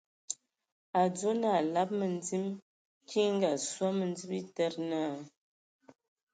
A a adzo naa a alab məndim, kiŋ e Ngaasɔ a mǝndim a etede naa :